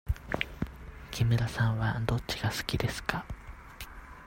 木村さんはどっちが好きですか。